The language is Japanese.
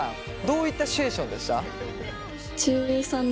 どういったシチュエーションでした？